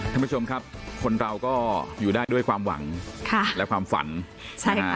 ท่านผู้ชมครับคนเราก็อยู่ได้ด้วยความหวังค่ะและความฝันใช่ค่ะ